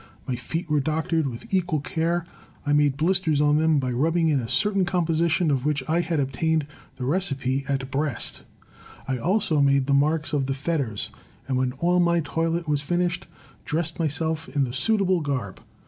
My feet were doctored with equal care; I made blisters on them by rubbing in a certain composition, of which I had obtained the receipt at Brest. 204 THE TECHNIQUE OF THE MYSTERY STORY I also made the marks of the fetters; and when all my toilet was finished, dressed myself in the suitable garb.